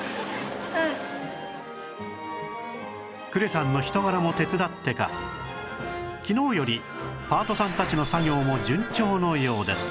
呉さんの人柄も手伝ってか昨日よりパートさんたちの作業も順調のようです